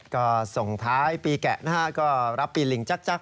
ก็ส่งท้ายปีแกะนะฮะก็รับปีลิงจักร